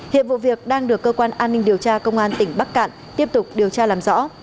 hiện vụ việc đang được cơ quan an ninh điều tra công an tỉnh bắc cạn tiếp tục điều tra làm rõ